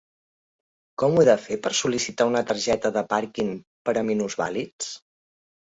Com ho he de fer per sol·licitar una targeta de parking per a minusvàlids?